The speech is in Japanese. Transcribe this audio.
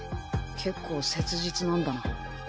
結構切実なんだな。